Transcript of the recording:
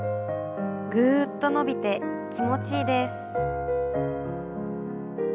ぐっと伸びて気持ちいいです。